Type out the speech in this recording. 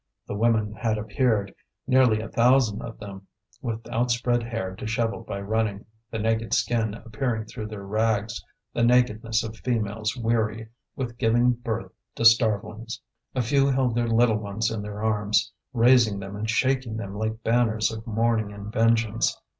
The women had appeared, nearly a thousand of them, with outspread hair dishevelled by running, the naked skin appearing through their rags, the nakedness of females weary with giving birth to starvelings. A few held their little ones in their arms, raising them and shaking them like banners of mourning and vengeance.